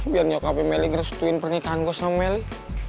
biar nyokapnya meli ngeresetuin pernikahan gue sama meli